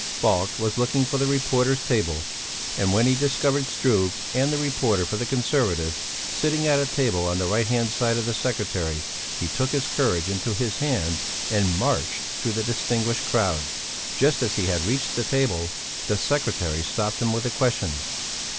Falk was looking for the reporter's table, and when he discovered Struve and the reporter for the Conservative sitting at a table on the right hand side of the secretary he took his courage into his hands and marched through the distinguished crowd; just as he had reached the table, the secretary stopped him with a question.